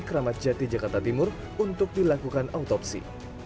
keramat jati jakarta timur untuk dilakukan autopsi